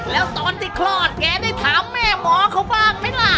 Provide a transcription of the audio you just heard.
แล้วตอนที่คลอดแกได้ถามแม่หมอเขาบ้างไหมล่ะ